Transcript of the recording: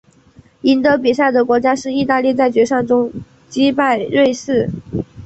赢得比赛的国家是意大利在决赛中击败瑞士。